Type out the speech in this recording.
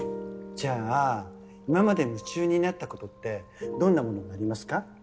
じゃあ今まで夢中になったことってどんなものがありますか？